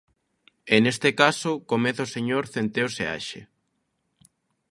E, neste caso, comeza o señor Centeo Seaxe.